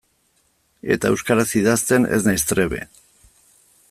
Eta euskaraz idazten ez naiz trebe.